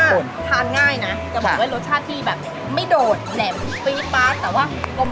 สุขเด่นขาวนอกจากละแล้วเราต้องใส่กะปี่ใช่ไหมครับใช่ค่ะ